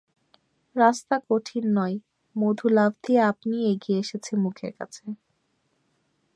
রাস্তা কঠিন নয়, মধু লাফ দিয়ে আপনিই এগিয়ে এসেছে মুখের কাছে।